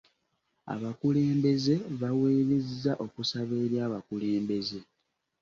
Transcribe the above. Abakulembeze bawerezza okusaba eri abakulembeze.